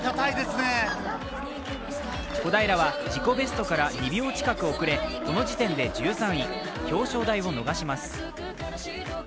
小平は自己ベストから２秒近く遅れこの時点で１３位、表彰台を逃します。